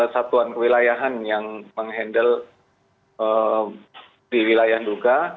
satuan kewilayahan yang mengendal di wilayah duga